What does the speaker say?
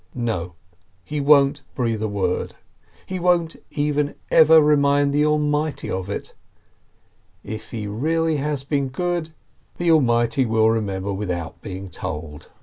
No, he won't breathe a word. He won't even ever remind the Almighty of it. If he really has been good, the Almighty will remember without being told.